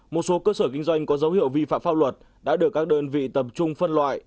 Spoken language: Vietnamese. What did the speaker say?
một số cơ sở kinh doanh có dấu hiệu vi phạm pháp luật đã được các đơn vị tập trung phân loại